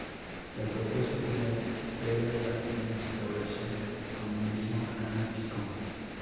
La propuesta final era la instauración del comunismo anárquico.